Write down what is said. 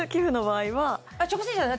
直接じゃない。